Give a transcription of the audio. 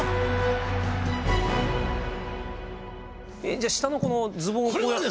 じゃあ下のズボンをこうやって。